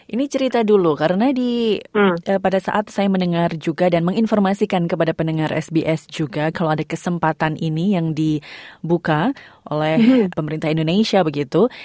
ini cerita dulu karena pada saat saya mendengar juga dan menginformasikan kepada pendengar sbs juga kalau ada kesempatan ini yang dibuka oleh pemerintah indonesia begitu